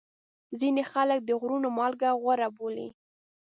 ځینې خلک د غرونو مالګه غوره بولي.